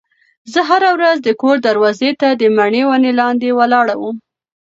زه هره ورځ د کور دروازې ته د مڼې ونې لاندې ولاړه وم.